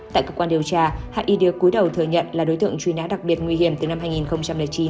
tại cơ quan điều tra hại y đía cuối đầu thừa nhận là đối tượng truy nã đặc biệt nguy hiểm từ năm hai nghìn chín